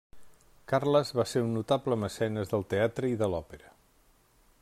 Carles va ser un notable mecenes del teatre i de l'òpera.